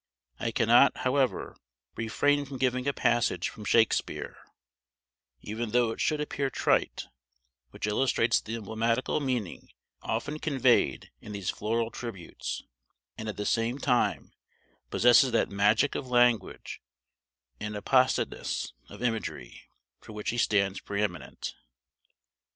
I cannot, however, refrain from giving a passage from Shakespeare, even though it should appear trite, which illustrates the emblematical meaning often conveyed in these floral tributes, and at the same time possesses that magic of language and appositeness of imagery for which he stands pre eminent.